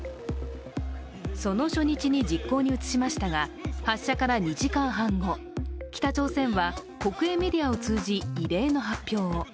その初日に実行に移しましたが、発射から２時間半後、北朝鮮は国営メディアを通じ、異例の発表を。